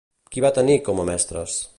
Qui va tenir com a mestres?